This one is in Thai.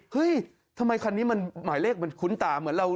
เฮ้ยทำไมคันนี้มันหมายเลขมันคุ้นตาเหมือนเรา